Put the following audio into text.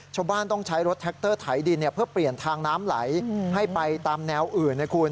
ชาวบ้านต้องใช้รถแท็กเตอร์ไถดินเพื่อเปลี่ยนทางน้ำไหลให้ไปตามแนวอื่นนะคุณ